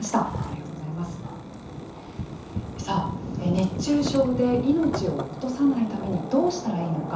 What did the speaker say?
さあ、熱中症で命を落とさないためにどうしたらいいのか。